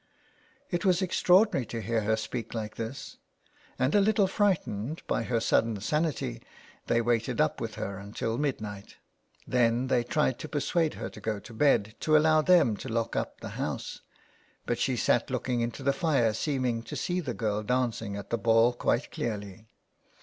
It was extraordinary to hear her speak like this, and, a little frightened by her sudden sanity, they waited up with her until midnight. Then they tried to persuade her to go to bed, to allow them to lock up the house; but she sat looking into the fire, seem ing to see the girl dancing at the ball quite clearly.